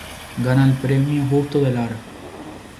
Gana el premio Justo de Lara.